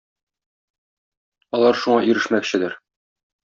Алар шуңа ирешмәкчедер.